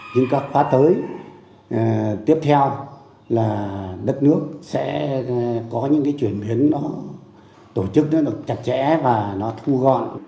những các khóa tới tiếp theo là đất nước sẽ có những chuyển biến tổ chức chặt chẽ và thu gọn